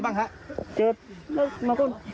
เพื่อนบ้านเจ้าหน้าที่อำรวจกู้ภัย